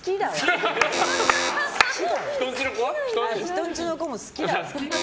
人んちの子も好きだわ。